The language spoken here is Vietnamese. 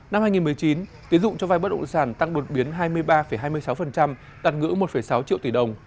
năm hai nghìn một mươi chín tiến dụng cho vai bất động sản tăng đột biến hai mươi ba hai mươi sáu đạt ngữ một sáu triệu tỷ đồng